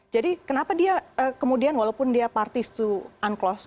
jadi kenapa dia kemudian walaupun dia partis to unclose